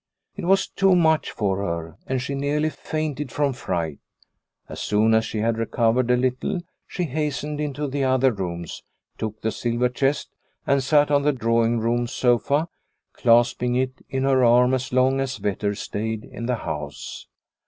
It was too much for her, and she nearly fainted from fright. As soon as she had recovered a little she hastened into the other rooms, took the silver chest and sat on the drawing room sofa, clasping it in her arm as long as Vetter stayed in the house.